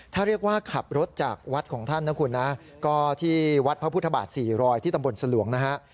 ถ้าเรียกว่าขับรถจากวัดของท่านนะคุณนะก็ที่วัดพระพุทธบาท๔๐๐ที่ตำบลสลวงนะฮะ